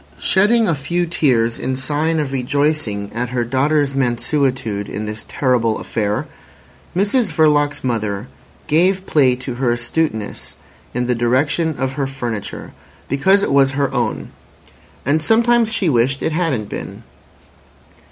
Shedding a few tears in sign of rejoicing at her daughter's mansuetude in this terrible affair, Mrs Verloc's mother gave play to her astuteness in the direction of her furniture, because it was her own; and sometimes she wished it hadn't been.